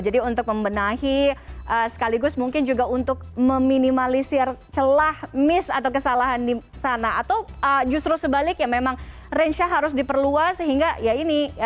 jadi untuk membenahi sekaligus mungkin juga untuk meminimalisir celah miss atau kesalahan di sana atau justru sebalik ya memang range nya harus diperluas sehingga ya ini ya ini